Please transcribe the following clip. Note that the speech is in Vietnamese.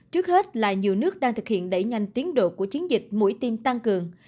trước hết là nhiều nước đang thực hiện đẩy nhanh tiến độ của chiến dịch mũi tiêm tăng cường